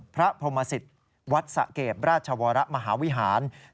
พระพรหมสิตวัดสะเกดราชวรมหาวิหาร